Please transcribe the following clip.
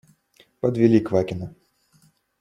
Подвели Квакина.